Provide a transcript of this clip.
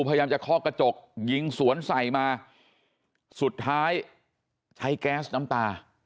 พยายามจะคอกกระจกยิงสวนใส่มาสุดท้ายใช้แก๊สน้ำตา